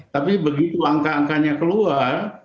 tapi begitu angka angkanya keluar